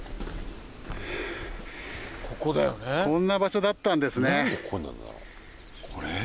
こんな場所だったんですね。